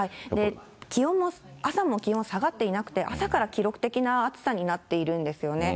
気温も、朝も気温下がっていなくて、朝から記録的な暑さになってるんですよね。